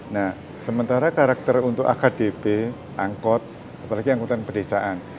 nah sementara karakter untuk akdp angkot apalagi angkutan pedesaan